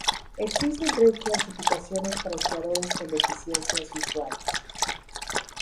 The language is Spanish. Existen tres clasificaciones para esquiadores con deficiencias visuales.